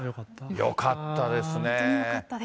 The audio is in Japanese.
よかったですね。